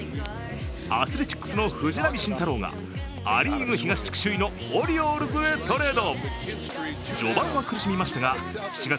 アスレチックスの藤浪晋太郎がア・リーグ東地区首位のオリオールズへトレード。